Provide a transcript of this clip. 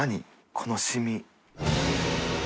このシミ。